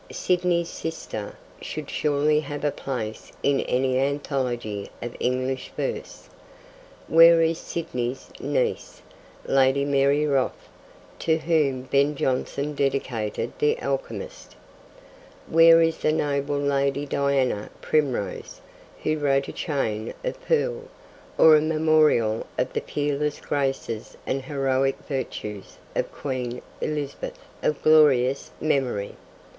Sidney's sister should surely have a place in any anthology of English verse. Where is Sidney's niece, Lady Mary Wroth, to whom Ben Jonson dedicated The Alchemist? Where is 'the noble ladie Diana Primrose,' who wrote A Chain of Pearl, or a memorial of the peerless graces and heroic virtues of Queen Elizabeth, of glorious memory?